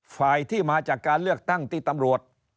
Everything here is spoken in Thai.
ฝ่ายที่มาจากการเลือกตั้งที่ตำรวจ